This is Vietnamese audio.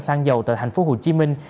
sang dầu tại thành phố hồ chí minh